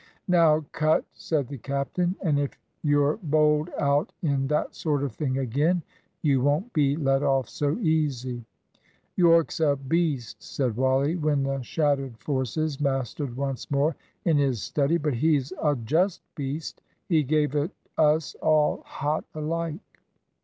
"Now cut," said the captain, "and if you're bowled out in that sort of thing again, you won't be let off so easy." "Yorke's a beast," said Wally, when the shattered forces mastered once more in his study, "but he's a just beast. He gave it us all hot alike."